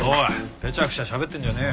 ぺちゃくちゃしゃべってんじゃねえよ。